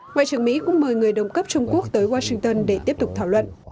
ngoại trưởng mỹ cũng mời người đồng cấp trung quốc tới washington để tiếp tục thảo luận